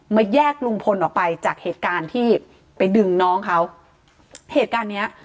แยกลุงพลออกไปจากเหตุการณ์ที่ไปดึงน้องเขาเหตุการณ์เนี้ย